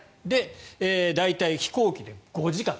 大体、飛行機で５時間。